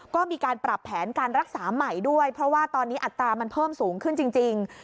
ก็มีการปรับแผนการรักษาใหม่ด้วยเพราะว่าตอนนี้อัตรามันเพิ่มสูงขึ้นจริง